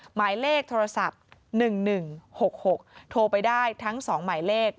หมายเลขโทรศัพท์๑๑๖๖โทรไปได้ทั้ง๒หมายเลข